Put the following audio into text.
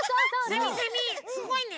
セミセミすごいね。